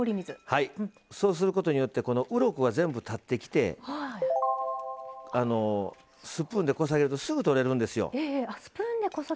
そうすることによってうろこが全部立ってきてスプーンで、こさげるとすぐとれるんですよ。